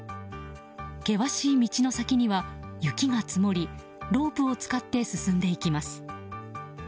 険しい道の先には雪が積もりロープを使って進んでいきます。